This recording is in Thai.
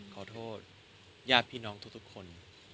ขอโทษญาติพี่น้องทุกคน